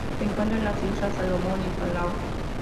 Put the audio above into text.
Se encuentran en las Islas Salomón y Palaos.